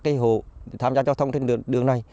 cây hồ tham gia giao thông trên đường này